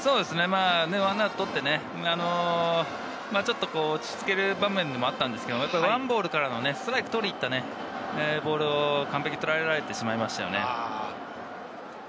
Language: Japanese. １アウトを取って、ちょっと落ち着ける場面でもあったんですけど、１ボールからのストライク取りに行ったボールを完璧にとらえられてしまいましたよね。